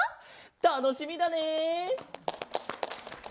たのしみだね！